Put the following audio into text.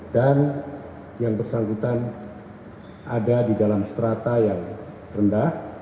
dan yang bersangkutan ada di dalam strata yang rendah